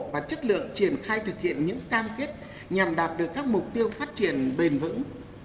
và chất lượng triển khai thực hiện những cam kết nhằm đạt được các mục tiêu phát triển bền vững